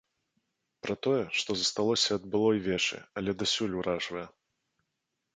Пра тое, што засталося ад былой вечы, але дасюль уражвае.